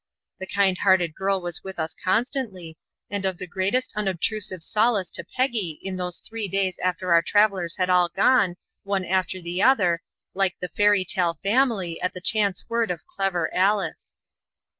The kind hearted girl was with us constantly, and of the greatest unobtrusive solace to Peggy in those three days after our travellers had all gone, one after the other, like the fairy tale family, at the chance word of Clever Alice.